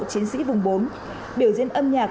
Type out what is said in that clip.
chiến sĩ vùng bốn biểu diễn âm nhạc